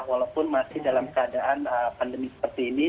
walaupun masih dalam keadaan pandemi seperti ini